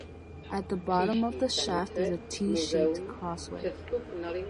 At the bottom of the shaft is a T-shaped crossway.